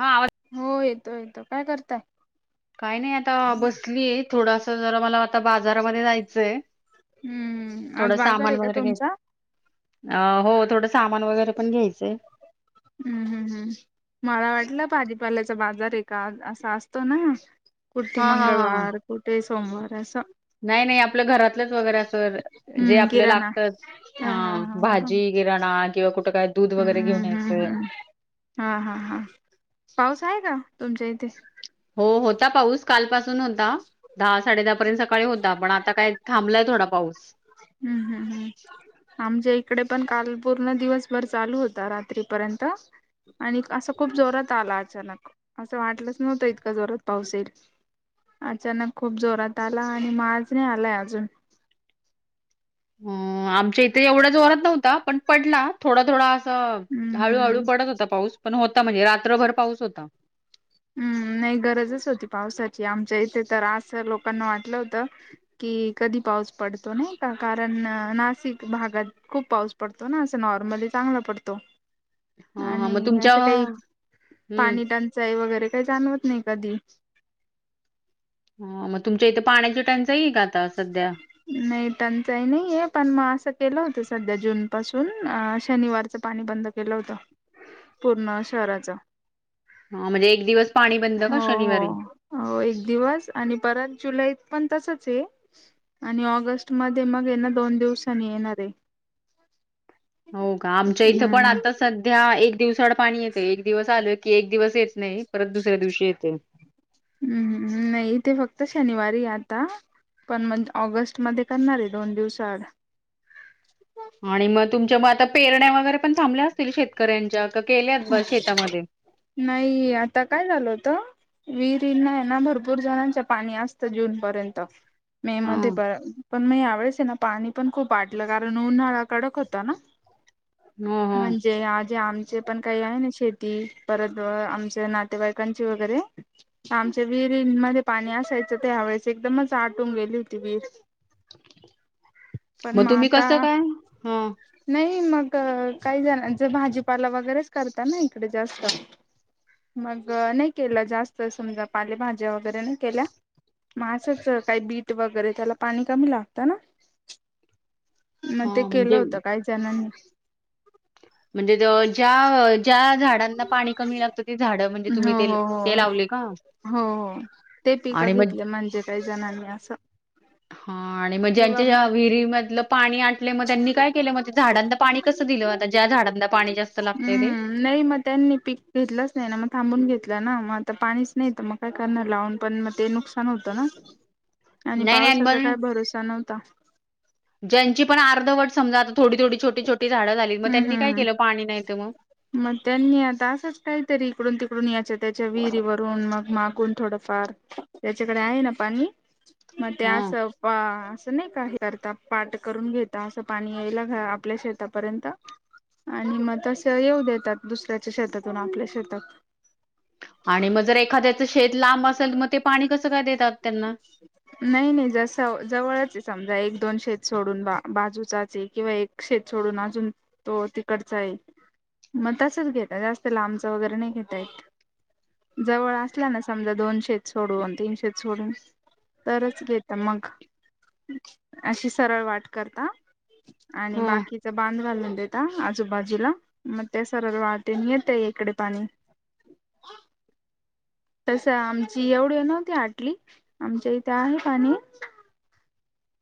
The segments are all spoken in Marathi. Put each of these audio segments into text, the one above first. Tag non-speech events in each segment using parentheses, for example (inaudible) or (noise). हां आवाज हो येतोय येतोय, काय करताय? काय नाही आता बसलीय, थोडासं जरा मला आता बाजारामध्ये जायचंय हम्म आज थोडं बाजार सामान आहे का वगैरे घ्याय, तुमचा अ हो थोडं सामान वगैरे पण घ्यायचंय. हम्म हम्म हम्म, मला वाटलं भाजीपाल्याचा बाजार आहे का आज, असा असतो ना. कुठे हा हा हा मंगळवार कुठे सोमवार असं, नाही नाही, आपलं घरातलंच वगैरे असं, जे हम्म आपलं किराणा लागतच अ हा हा हा हा भाजी, किराणा, किंवा कुठं काय दूध वगैरे हम्म घेऊन हम्म यायचं. हम्म हा हा हा, पाऊस आहे का, तुमच्या इथे? हो होता पाऊस, काल पासूननु आं दहा साडे दहा पर्यंत सकाळी होता पण आता काय, थांबलाय थोडा पाऊस. हम्म हम्म हम्म. आमच्या इकडे पण काल पूर्ण दिवसभर चालू होता रात्रीपर्यंत. आणि, असं खूप जोरात आला अचानक, असं वाटलंच नव्हतं इतका जोरात पाऊस येईल. अचानक खूप जोरात आला आणि माज नाही आलाय अजून. आमच्या इथे ऐवढा जोऱ्यात नव्हता पण पडला थोडा, थोडा. तअ हम्म हम्म हळूहळू पडत होता पाऊस पण होता. म्हणजे रात्रभर पाऊस होता. हम्म नाही गरजच होती पावसाची आमच्या इथं तर असं लोकांना वाटलं होतं, कि कधी पाऊस पडतो नाही का कारण नाशिक भागात खूप पाऊस पडतो ना असं नॉर्मली चांगला पडतो. हां हां आणि मग तुमच्या असं काही हम्म पाणी टंचा चाई वगैरे काही जाणवत नाही कधी. हम्म मग तुमच्या इथं पाण्याची टंचाई आहे का आता सध्या? नाही टंचाई नाहीये पण मग असं केलं होतं सध्या जून पासून शनिवारचं पाणी बंद केलं होत पूर्ण शहराच. हा म्हणजे एक दिवस पाणी बंद का हो शनिवारी? हो हो एक दिवस आणि परत जुलैत पण तसंच हे आणि ऑगस्ट मध्ये मग ना दोन दिवसनी येणार आहे. हो का आमच्या इथं पण हम्म आताच सध्या एक दिवसाड पाणी येते. एक दिवस आलं की एक दिवस येत नाही. परत दुसऱ्या दिवशी येते. हम् नाही ते फक्त शनिवारी आता पण मंथ ऑगस्ट मध्ये करणार आहे दोन दिवस आड. आणि मग तुमच्या म आता पेरण्या वगैरे पण थांबल्या असतील शेतकऱ्यांच्या का केल्यात शेतामध्ये? नाही आता काय झालं होतं? विहिरी हे ना भरपूर जणांच्या पाणी असतं जून पर्यंत मे मध्ये हां पण पण मग यावेेळेस आहे ना पाणी पण खूप आटलं कारण उन्हाळा कडक होता ना. हां हां म्हणजे आज्या आमचे पण काही आहे ना शेती परत आमच्या नातेवाईकांची वगैरे, आमच्या विहिरीमध्ये पाणी असायचं तर ह्या वेळेसं एकदमचं आटून गेली होती विहीर. पण मग म तुम्ही आता. कसं काय? हां नाही मग काही जणांच भाजीपाला वगैरेचं करता ना इकडे जास्त. मंग नाही केलं जास्त समजा पालेभाज्या वगैरे नाही केल्या मंग असचं काही बीट वगैरे त्याला पाणी कमी लागतं ना. मग ते हां केलं म्हणजे होतं काही जणांनी. म्हणजे ज्या, ज्या झाडांना पाणी कमी लागतं ते झाडं म्हणजे हो तुम्ही हो हो ते लावले का? हो हो ते आणि पिकं मग घेतलं म्हणजे काही जणांनी असं. हा आणि मग किंवा ज्यांच्या मग विहिरी मधलं पाणी आटलं मग त्यांनी काय केलं मग ते झाडांना पाणी कसं दिलं आता? ज्या झाडांना पाणी जास्त लागतयं ते. हम्म नाही मग त्यांनी पीक घेतलंच नाही ना मग थांबून घेतलं ना मग आता पाणीच नाही तर मग काय करणार लावून पण मग ते नुकसान होतं ना, आणि नाही नाही पावसाचा पण काय भरोसा नव्हता. ज्यांची पण अर्धवट समजा आता थोडी थोडी छोटी छोटी झाडं झाली मग हम्म त्यांनी काय हम्म केलं पाणी नाही ते मग? मग त्यांनी आता असंच काहीतरी इकडून तिकडून याच्या त्याच्या विहिरीवरून मग मागून थोडंफार ज्याच्याकडे आहे ना पाणी मग ते हां असं असं नाही काही करता पाठ करून घेता असं पाणी यायला आ आपल्या शेतापर्यंत आणि मग तसं येऊ देतात दुसऱ्याच्या शेतातून आपल्या शेतात. आणि मग जर एखाद्याच शेत लांब असेल मग ते पाणी कसं काय देतात त्यांना? (unintelligible) नाही नाही जस जवळच समजा एक दोन शेत सोडून बा बाजूचाचं किंवा एक शेत सोडून अजून तो तिकडचा आहे. मग तसच घेता जास्त लांबच वगैरे नाही घेता येत. जवळ असला ना समजा दोन शेत सोडून तीन शेत सोडून तरच घेता मग. अशी सरळ वाट करता आणि हां बाकीचा बांध घालून दे ता आजूबाजूला मग ते सरळ वाटेनी येते इकडे पाणी. तसं आमची एवढी नव्हती आटली आमच्या इथे आहे पाणी.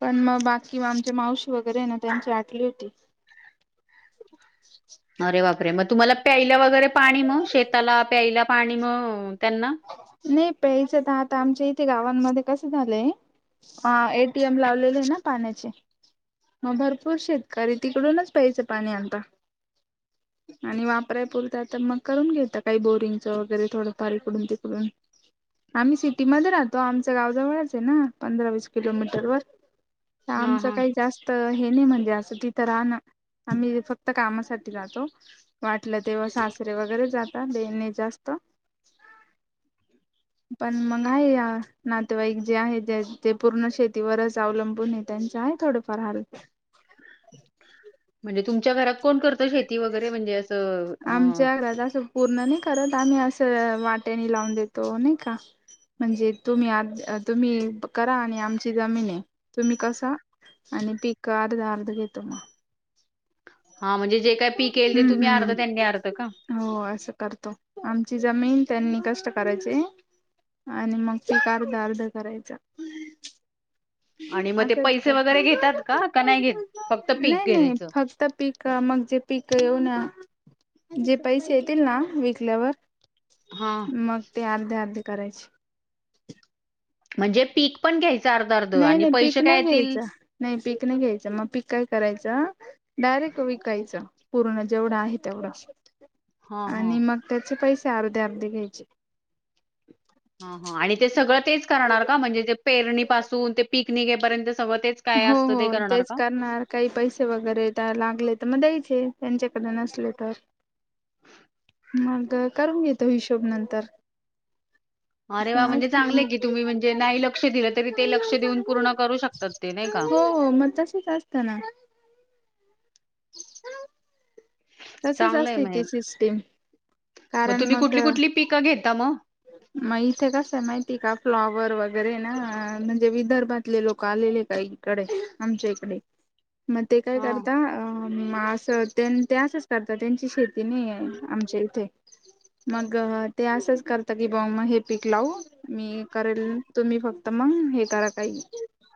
पण मग बाकी आमच्या मावशी वगैरे ना त्यांची आटली होती. अरे बापरे, मग तुम्हाला प्यायला वगैरे पाणी मग शेताला, प्यायला पाणी मग त्यांना? नाही प्यायचं तर आता आमच्या इथे गावांमध्ये कसं झालंय हा ए टी एम लावलेले ना पाण्याचे. मग भरपूर शेतकरी तिकडूनचं प्यायचं पाणी आणतात. आणि वापरायपुरतं तर मग करून घेता काही बोरिंगचं वगैरे थोडं फार इकडून तिक डून. आम्ही सिटीमध्ये राहतो. आमचं गाव जवळच आहे ना, पंधरा वीस किलोमीटर वर. त हां आमचं हां काही जास्त हे नाही म्हणजे असं तिथं राहणं. आम्ही फक्त कामासाठी जातो. वाटलं तेव्हा सासरे वगैरे जातात देणे जास्त पण मग आहे नातेवाईक जे आहे ते जे पूर्ण शेतीवरच अवलंबून आहे, त्यांचं आहे थोडं फार हार म्हणजे तुमच्या घरात कोण करत शेती वगरे म्हणजे अस अ? आमच्या घरात असं पूर्ण नाही करत, आम्ही असं वाट्यानी लावून देतो नाही का? म्हणजे तुम्ही आ तुम्ही करा आणि आमची जमीन आहे तुम्ही कसा आणि पिकं अर्ध अर्ध घेतो मग. हा म्हणजे जे काय पीक येईल ते, हम्म तुम्ही अर्ध हम्म त्यांनी अर्ध का? हो असं करतो. आमची जमीन त्यांनी कष्ट करायचे आणि मग पिकं अर्ध अर्ध करायचा. आणि मग ते असचं पैसे वगैरे घेतात करतो. का? का नाही घेत? फक्त पीक नाही नाही घ्यायचं? फक् त पिक मग जे पिकं येऊ ना जे पैसे येतील ना विकल्यावर हा. मग ते अर्धे अर्धे करायचे. म्हणजे पीक पण घ्यायचं अर्ध अर्ध नाही आणि नाही पैसे पीक काय नाही येतील. घ्यायचं नाही पीक नाही घ्यायचं. मग पीक काय करायचं डायरेक्ट विकायचं. पूर्ण जेवढा आहे तेवढा हा हा. आणि मग त्याचे पैसे अर्धे अर्धे घ्यायचे. हा हा आणि ते सगळं तेच करणार का? म्हणजे ते पेरणी पासून ते पिकनिकघेपर्यंत सगळं तेच? काय हो असतं हो ते करणार तेच का? करणार. काही पैसे वगैरे त्या लागले तर मग द्यायचे त्यांच्याकडे नसले तर. मग करून घेतो हिशोब नंतर. अरे वा! म्हणजे चांगलंय की तुम्ही म्हणजे असं नाही लक्ष दिलं तरी ते लक्ष देऊन पूर्ण असतं. करू शकतात ते. नाही का? हो हो मग तसेच असतं ना. (inaudible) तसच चांगलंय असते मग हे, ती सिस्टीम कारण तुम्ही मग कुठली कुठली पिकं घेता मग? मग इथे कसं आहे माहिती आहे का फ्लॉवर वगैरे ना म्हणजे विदर्भातले लोकं आलेले काही कडे आमच्या इकडे. मग ते काय हा. करता अ असं ते असंच करता त्यांची शेती (unintelligible) आमच्या इथे मग ते असंच कर तात ब मग हे पीक लावू मी करेल तुम्ही फक्त मग हे करा काही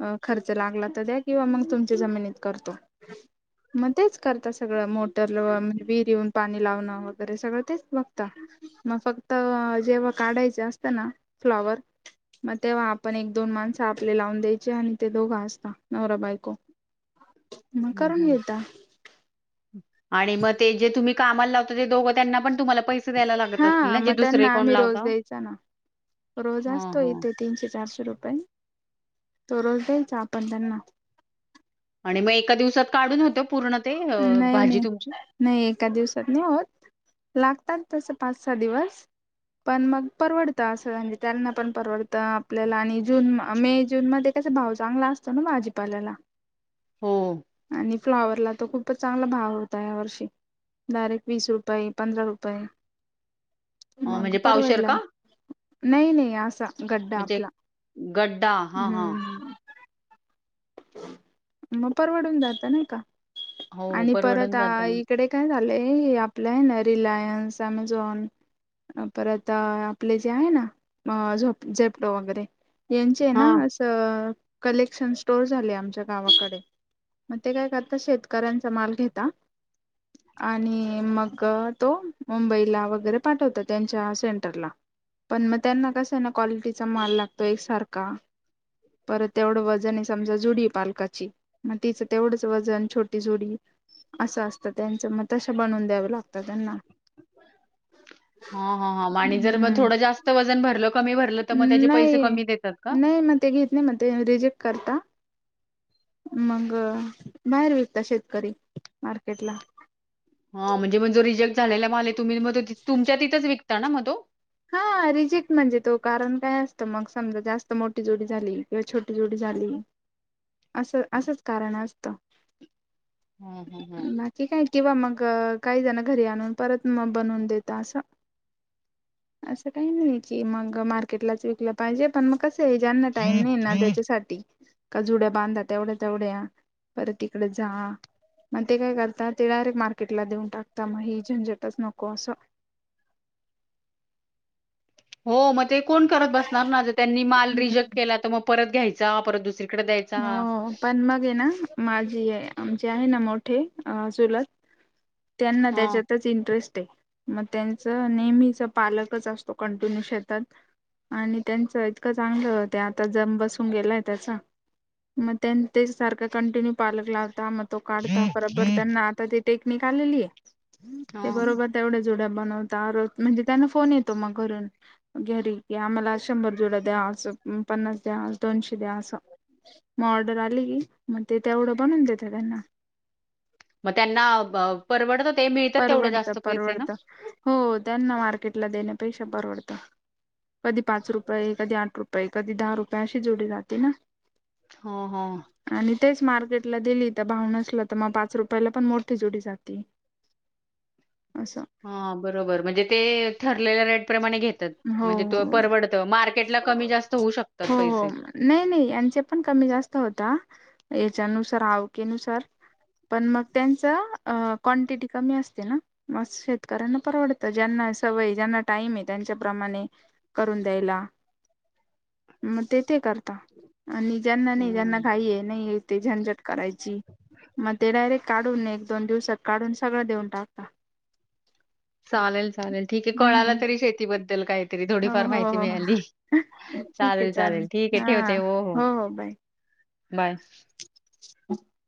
अ खर्च लागला तर द्या किंवा मग तुमच्या जमिनीत करतो. मग तेच करता सगळं मोटरचं व विहीरीवरुन पाणी लावणं वगैरे सगळं तेच बघता मग फक्त जेव्हा काढायचे असतं ना फ्लॉवर मग तेव्हा आपण एक दोन माणसं आपले लावून द्यायचे आणि ते दोघं असतात नवरा बायको मग हम्म करून हम्म घेता आणि म ते जे तुम्ही कामाला लावता ते दोघं त्यांना पण तुम्हाला पैसे पैसे द्यायला लागत असतील हा ना जे मग दुसरे त्यांना कोण आम्ही रोज लावताव द्यायचा ना रोज असतो इथे तीनशे चारशे रुपये तो रोज द्यायचा आपण त्यांना आणि म एका दिवसात काढून होते पूर्ण ते अ नाही भाजी नाही तुमची नाही एका दिवसात नाही होत लागतात तसं पाच सहा दिवस पण मग परवडतं असं जे त्यांना पण परवडतं आपल्याला आणि जून मे जून मध्ये कसा भाव चांगला असतो ना भाजीपाल्याला हो. आणि फ्लॉवरला तर खूपच चांगला भाव होता या वर्षी डायरेक्ट वीस रुपये पंधरा रुपये अ, मग म्हणजे पावशेर परवडला का? नई नई असा गड्डा म्हणजे आपला गड्डा. हां, हां. हम्म मग परवडून जातं नाही का हो, आणि परत परवडून आ जातं. इकडे काय झालंय हे आपलं आहे ना रिलायन्स, अँमेझॉन परत आ आपले जे आहे ना अ झो झेप्टो वगैरे यांचे आहे ना हां. असं कलेक्शन् टोल झाले आमच्या गावाकडे मग ते काय करता शेतकऱ्यांचा माल घेता (unintelligible) आणि मग तो मुंबईला वगैरे पाठवतो त्यांच्या सेंटरला पण मग त्यांना कसं आहे ना क्वालिटीचा माल लागतो एकसारखा परत तेवढं वजन समजा जुडी आहे पालकाची मग तिचं तेवढंच वजन छोटी जुडी असं असतं त्यांचं मग तसं बनवून द्यावे लागतात त्यांना हा हा आणि जर मग हम्म थोडं जास्त वजन भरलं कमी भरलं तर मग त्याचे पैसे नाही कमी देतात का ॽ नाही मग ते घेत नाही मग ते रिजेक्ट करता मग बाहेर विकता शेतकरी मार्केटला हा म्हणजे मग जो रिजेक्ट झालेला माल तुम्ही म तुमच्या तिथंच विकता ना म तो हा रिजेक्ट म्हणजे तो कारण काय असतं मग समजा जास्त मोठी जुडी झाली किंवा छोटी जुडी झाली असं असंच कारण असतं हा हा हा ते काय किंवा मग काही जण घरी आणून परत मग बनवून देेता असं असं काही नाही की मग मार्केटलाच विकलं पाहिजे पण मग कसं सगळ्यांना टाइम नाही ना त्याच्या साठी का जुड्या बांधा तेवढ्या तेवढ्या परत तिकडं जा मग ते काय करतात ते डायरेक्ट मार्केटला देऊन टाकता मग ही झंजटच नको असं हो मग ते कोण करत बसणार ना जर त्यांनी माल असं रिजेक्ट केला तर मग परत घ्यायचा परत दुसरी हो पण मग ये ना माझी आमचे आहे ना मोठे आ चुलत त्यांना हां. त्याच्यातच इंटरेस्ट मग त्यांच नेहमीचं पालकच असतो कंटिन्यू शेतात आणि त्यांचं इतकं चांगलं होतं आता जम बसून गेलाय त्याचा मग त्यां ते सारखा कंटिन्यू पालक लावता मग तो काढता परत बर त्यांना आता ती टेक्निक आलेली हे ते हां. बरोबर तेवढ्या जुड्या बनवता रोज म्हणजे त्यांना फोन येतो मग घरून. घरी की आम्हाला शंभर जुड्या द्या असं पन्नास द्यां दोनशे द्या असं. मग ऑर्डर आली की मग ते तेवढं बनवून देत्या त्यांना मग त्यांना परवडतं ते मिळतात तेवढं परवडत जास्त पैसे ना परवडत हो त्यांना मार्केटला देण्यापेक्षा परवडतं कधी पाच रुपये कधी आठ रुपये कधी दहा रुपये अशी जुडी राहते ना. हा हा आणि तेच मार्केटला दिली तर भाव नसला तर मग पाच रुपयाला पण मोठी जुडी जाती. आसं हा बरोबर म्हणजे ते ठरलेल्या रेट प्रमाणे घेतात. हो म्हणजे तो हो परवडत मार्केट ला कमी जास्त होऊ शकतात हो पैसे हो नाही नाही यांचे पण कमी जास्त होता याच्यानुसार आवकेनुसार पण मग त्यांच क्वांटिटी कमी असते ना मस शेतकऱ्यांना परवडतं ज्यांना सवय हे ज्यांना टाईम आहे त्यांच्या प्रमाणे करून द्यायला मग ते ते कर. आणि ज्यांना नाही हे ज्यांना हं. घाई हे नाही हे ते झंझट करायची मग ते डायरेक्ट काढून एक दोन दिवसात काढून सगळं देऊन टाकता. चालेल चालेल ठीक आहे हम्म कळालं तरी शेतीबद्दल काय तरी हम्म थोडीफार हो माहिती हो मिळाली हो ठीक आहे चालेल चालेल ठीक आहे हा ठेवते हो हो बाय बास (unintelligible)